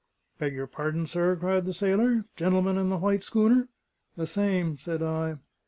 "Beg your pardon, sir," cried the sailor: "gen'lem'n in the white schooner?" "The same," said I.